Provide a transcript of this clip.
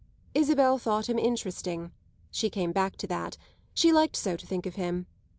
Isabel thought him interesting she came back to that; she liked so to think of him.